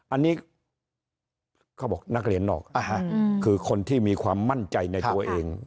อันนี้เขาบอกนักเรียนนอกคือคนที่มีความมั่นใจในตัวเอง